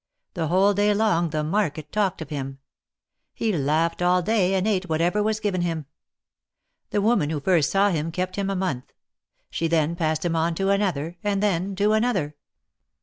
The whole day long the market talked of him. He laughed all day, and ate whatever was given him. The woman wdio first saw him kept him a month. She then passed him on to another, and then to another.